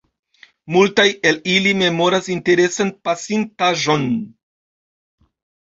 Multaj el ili memoras interesan pasin-taĵon.